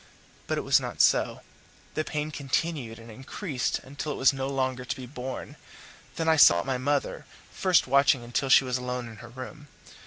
But it was not so; the pain continued and increased until it was no longer to be borne; then I sought my mother, first watching until she was alone in her room.